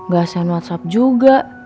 gak send whatsapp juga